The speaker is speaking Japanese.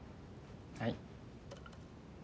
はい。